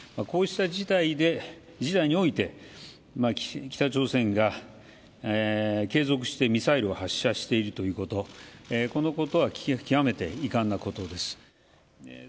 こうした事態において、北朝鮮が継続してミサイルを発射しているということ、このことは極めて遺憾なことです。